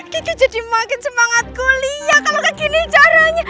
gigi jadi makin semangat kuliah kalo gak gini caranya